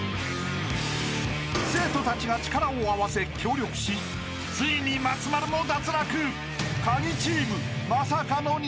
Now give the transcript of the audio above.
［生徒たちが力を合わせ協力しついに松丸も脱落！］